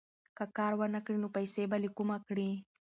که کار ونه کړې، نو پیسې به له کومه کړې؟